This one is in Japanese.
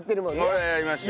俺はやりました。